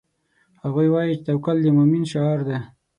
هغوی وایي چې توکل د مومن شعار ده